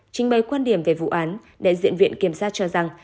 trình bày quan điểm về vụ án đại diện viện kiểm sát cho rằng